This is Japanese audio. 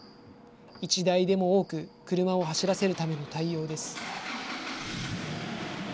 １台でも多く車を走らせるための対応です。